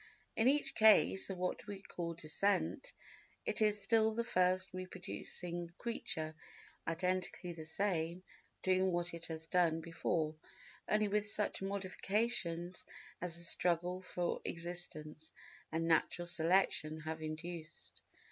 In each case of what we call descent, it is still the first reproducing creature identically the same—doing what it has done before—only with such modifications as the struggle for existence and natural selection have induced.